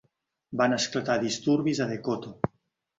Van esclatar disturbis a Decoto.